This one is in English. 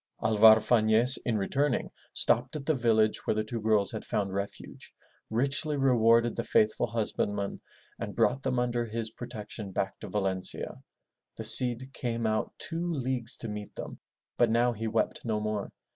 '* Alvar Fafiez, in returning, stopped at the village where the two girls had found refuge, richly rewarded the faithful husband man, and brought them under his protection back to Valencia. The Cid came out two leagues to meet them, but now he wept no more.